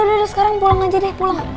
udah udah sekarang pulang aja deh pulang